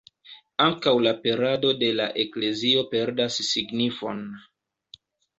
Ankaŭ la perado de la Eklezio perdas signifon.